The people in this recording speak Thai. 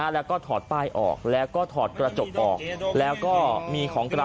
แล้วก็ถอดป้ายออกแล้วก็ถอดกระจกออก